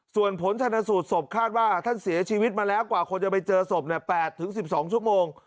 ส่วนผลชนสูตรศพคาดว่าท่านเสียชีวิตมาแล้วกว่าคนจะไปเจอศพ๘๑๒ชั่วโมง